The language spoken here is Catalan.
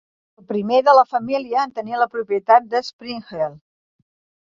El primer de la família en tenir la propietat de Springhill.